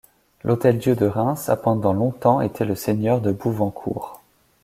L'Hôtel-dieu de Reims a pendant longtemps été le seigneur de Bouvancourt.